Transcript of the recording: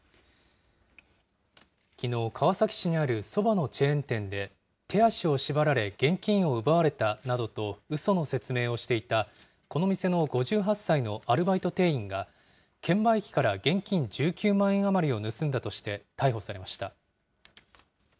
きのう、川崎市にあるそばのチェーン店で、手足を縛られ、現金を奪われたなどとうその説明をしていた、この店の５８歳のアルバイト店員が、券売機から現金１９万円余りを盗んだとして、逮捕されました。